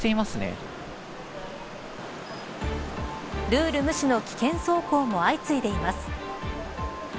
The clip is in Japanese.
ルール無視の危険走行も相次いでいます。